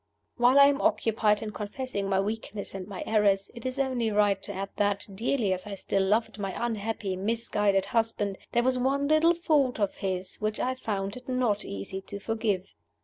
While I am occupied in confessing my weakness and my errors, it is only right to add that, dearly as I still loved my unhappy, misguided husband, there was one little fault of his which I found it not easy to forgive.